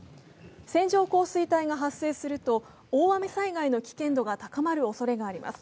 線状降水帯が発生すると大雨災害の危険度が高まるおそれがあります。